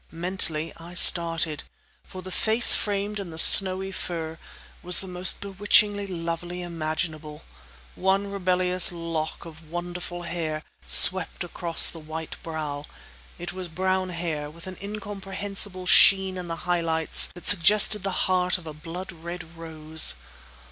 Mentally, I started. For the face framed in the snowy fur was the most bewitchingly lovely imaginable. One rebellious lock of wonderful hair swept across the white brow. It was brown hair, with an incomprehensible sheen in the high lights that suggested the heart of a blood red rose.